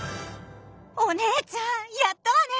お姉ちゃんやったわね！